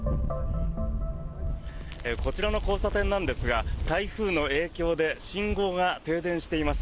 こちらの交差点なんですが台風の影響で信号が停電しています。